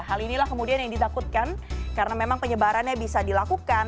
hal inilah kemudian yang ditakutkan karena memang penyebarannya bisa dilakukan